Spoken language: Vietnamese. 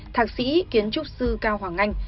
thạc sĩ kiến trúc sư cao hoàng anh